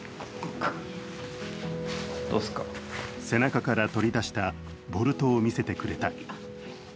背中から取り出したボルトを見せてくれた。